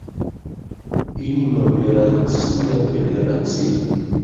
Himno de la Rusia Federacio.